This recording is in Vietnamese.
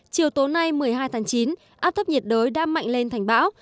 chiều tối nay một mươi hai tháng chín áp thấp nhiệt đới đã mạnh lên thành bão